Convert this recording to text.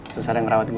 susah deh ngerawat gue